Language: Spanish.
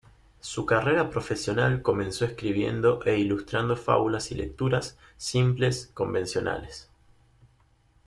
Su carrera profesional comenzó escribiendo e ilustrando fábulas y lecturas simples "convencionales".